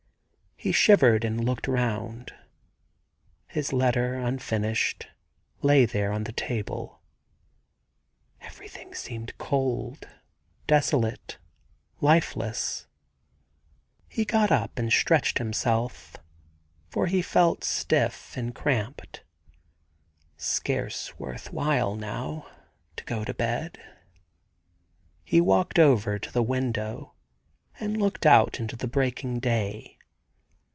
He shivered and looked round. His letter, unfinished, lay there on the table. Everything seemed cold, desolate, lifeless. He got up and stretched himself, for he felt stiff and cramped. Scarce worth while, now, to go to bed I He walked over to the window and looked out into the breaking day.